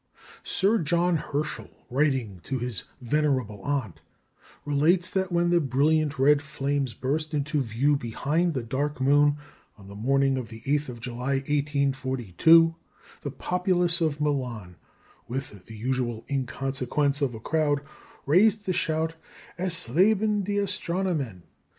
Sir John Herschel, writing to his venerable aunt, relates that when the brilliant red flames burst into view behind the dark moon on the morning of the 8th of July, 1842, the populace of Milan, with the usual inconsequence of a crowd, raised the shout, "_Es leben die Astronomen!